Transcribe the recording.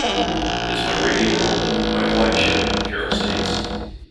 It's my radio home, my flagship, Karel states.